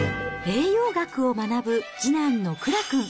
栄養学を学ぶ次男のクラ君。